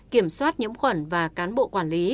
kiểm soát nhiễm khuẩn và cán bộ quản lý